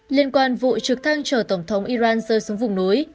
liên quan vụ trực thăng chở tổng thống iran rơi xuống vùng núi